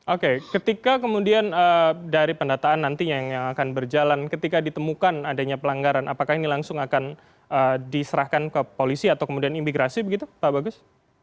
oke ketika kemudian dari pendataan nantinya yang akan berjalan ketika ditemukan adanya pelanggaran apakah ini langsung akan diserahkan ke polisi atau kemudian imigrasi begitu pak bagus